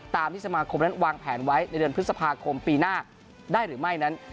ตามที่สมาคมนั้นวางแผนไว้ในเดือนพฤษภาคมปีหน้าได้หรือไม่นั้น